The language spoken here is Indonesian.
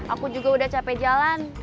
aku juga udah capek jalan